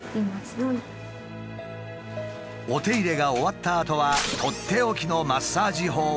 お手入れが終わったあとはとっておきのマッサージ法をアドバイス。